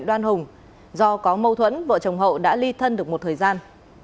do có mâu thuẫn vợ chồng hậu đã ly thân được một thời gian